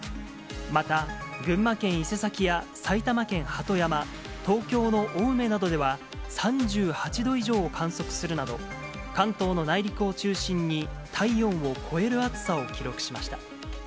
また、群馬県伊勢崎や埼玉県鳩山、東京の青梅などでは３８度以上を観測するなど、関東の内陸を中心に、体温を超える暑さを記録しました。